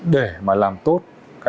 để mà làm tốt